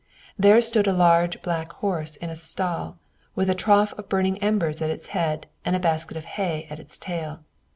There stood a large black horse in a stall, with a trough of burning embers at its head and a basket of hay at its tail.